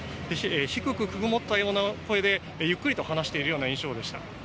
低く、くぐもったような声でゆっくり話している印象でした。